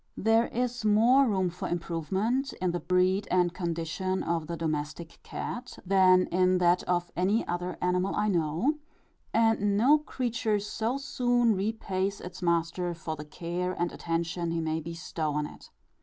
There is more room for improvement, in the breed and condition of the domestic cat, than in that of any other animal I know; and no creature so soon repays its master, for the care and attention he may bestow on it.